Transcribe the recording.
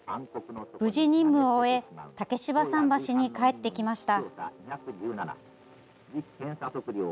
無事、任務を終え竹芝桟橋に帰ってきました。